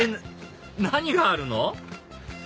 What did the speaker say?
何があるの？